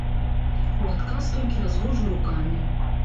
У адказ толькі разводжу рукамі.